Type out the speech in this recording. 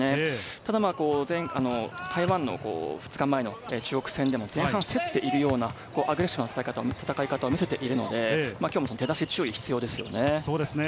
ただ、台湾の２日前の中国戦でも前半、競っているようなアグレッシブな戦い方を見せているので、今日も出だしに注意が必要です。